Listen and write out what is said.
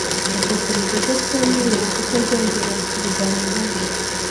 Natekereje ko twemeye kutazongera kubiganiraho.